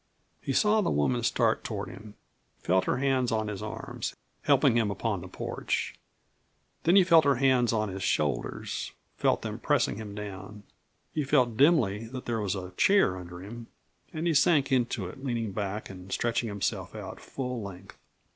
He saw the woman start toward him, felt her hands on his arms, helping him upon the porch. Then he felt her hands on his shoulders, felt them pressing him down. He felt dimly that there was a chair under him, and he sank into it, leaning back and stretching himself out full length.